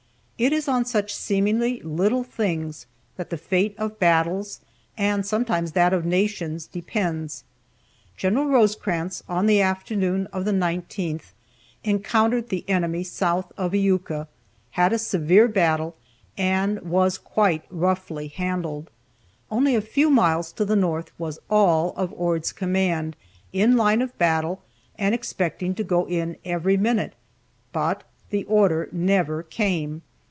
It is on such seemingly little things that the fate of battles, and sometimes that of nations, depends. Gen. Rosecrans on the afternoon of the 19th encountered the enemy south of Iuka, had a severe battle, and was quite roughly handled. Only a few miles to the north was all of Ord's command, in line of battle, and expecting to go in every minute, but the order never came.